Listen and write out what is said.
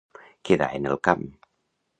Quedar en el camp.